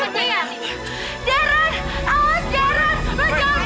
aduh ya ampun aku ketinggian